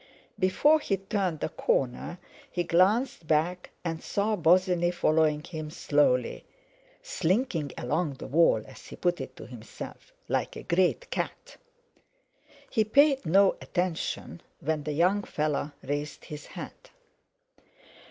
Before he turned the corner he glanced back, and saw Bosinney following him slowly—"slinking along the wall" as he put it to himself, "like a great cat." He paid no attention when the young fellow raised his hat.